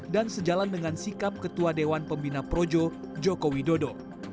dan sejalan dengan sikap ketua dewan pembina projo joko widodo